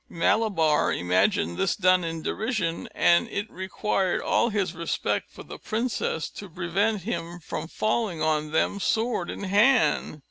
Malabar imagined this done in derision, and it required all his respect for the princess to prevent him from falling on them sword in hand.